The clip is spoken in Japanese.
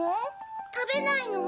たべないの？